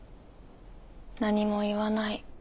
何も言わない。